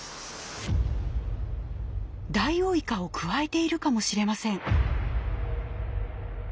ダイオウイカをくわえているかもしれません。